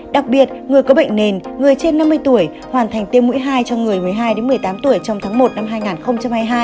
đặc biệt người có bệnh nền người trên năm mươi tuổi hoàn thành tiêm mũi hai cho người một mươi hai một mươi tám tuổi trong tháng một năm hai nghìn hai mươi hai